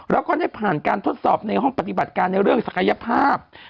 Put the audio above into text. แล้วก็ได้ผ่านการทดสอบในห้องปฏิบัติการในเรื่องศักยภาพ